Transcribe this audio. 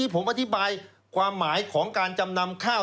ผมอธิบายความหมายของการจำนำข้าว